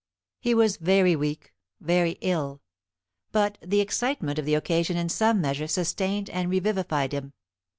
He was very weak, very ill; but the excitement of the occasion in some measure sustained and revivified him.